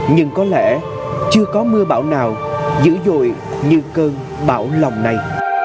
nhưng có lẽ chưa có mưa bão nào dữ dội như cơn bão lòng này